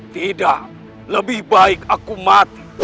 tidak lebih baik aku mati